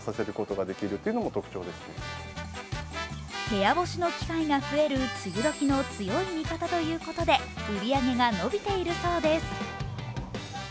部屋干しの機会が増える梅雨時の強い味方ということで売り上げが伸びているそうです。